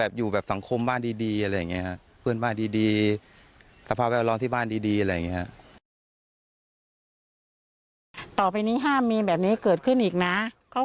อยากอยู่แบบสังคมบ้านดีอะไรอย่างนี้ครับ